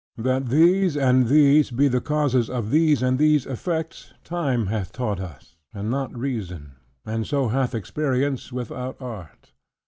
That these and these be the causes of these and these effects, time hath taught us; and not reason: and so hath experience without art.